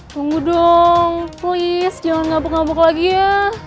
tunggu dong please jangan ngabuk ngabuk lagi ya